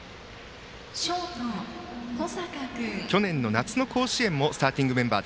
ショート、保坂は去年夏の甲子園もスターティングメンバー。